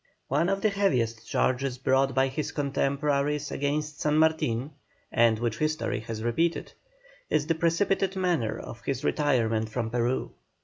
One of the heaviest charges brought by his contemporaries against San Martin, and which history has repeated, is the precipitate manner of his retirement from Peru.